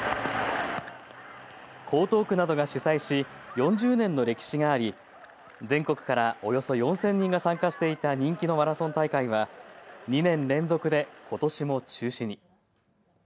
江東区などが主催し４０年の歴史があり全国からおよそ４０００人が参加していた人気のマラソン大会は２年連続で、ことしも中止に。